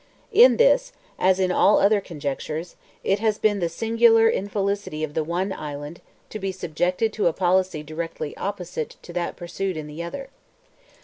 In this, as in all other conjunctures, it has been the singular infelicity of the one island to be subjected to a policy directly opposite to that pursued in the other.